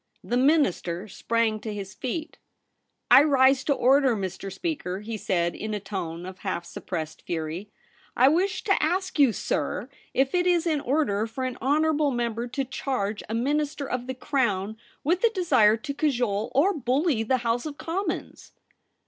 The Minister sprang to his feet. ' I rise to order, Mr. Speaker,' he said, in a tone of half suppressed fury ;' I wish to 19^ THE REBEL ROSE. ask you, sir, if it is in order for an honourable member to charge a Minister of the Crown with a desire to cajole or bully the House of Commons